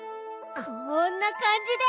こんなかんじで。